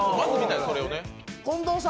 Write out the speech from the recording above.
近藤さん